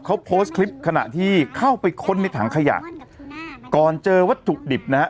เขาโพสต์คลิปขณะที่เข้าไปค้นในถังขยะก่อนเจอวัตถุดิบนะฮะ